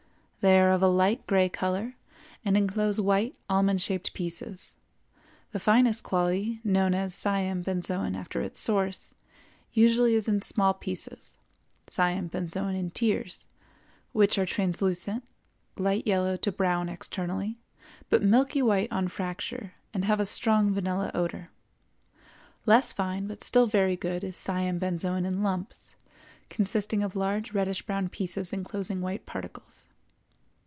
They are of a light gray color and inclose white, almond shaped pieces. The finest quality, known as Siam benzoin after its source, usually is in small pieces (Siam benzoin in tears) which are translucent, light yellow to brown externally, but milky white on fracture, and have a strong vanilla odor. Less fine but still very good is Siam benzoin in lumps, consisting of large reddish brown pieces inclosing white particles.